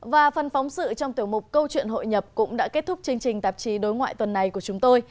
và phần phóng sự trong tiểu mục câu chuyện hội nhập cũng đã kết thúc chương trình tạp chí đối ngoại tuần này của chúng tôi